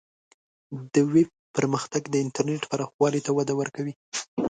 د ویب پرمختګ د انټرنیټ پراخوالی ته وده ورکوي.